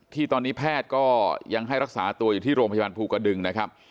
ที่ตอนนี้แพทย์ก็ยังให้รักษาตัวอยู่ที่โรงพยาบาลภูกระดึงนะครับ